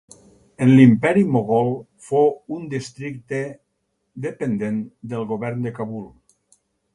En l'imperi mogol fou un districte dependent del govern de Kabul.